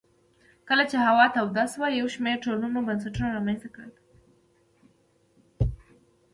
کله چې هوا توده شوه یو شمېر ټولنو بنسټونه رامنځته کړل